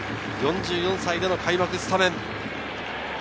４４歳での開幕スタメン。